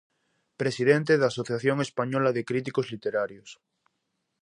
Presidente da Asociación Española de Críticos Literarios.